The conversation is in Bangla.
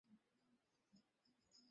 তুমি নিজেই এর উত্তর দেবে।